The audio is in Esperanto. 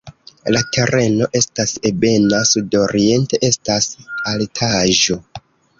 La tereno estas ebena, sudoriente estas altaĵo.